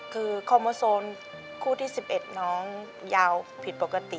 คือคอมโมโซนคู่ที่๑๑น้องยาวผิดปกติ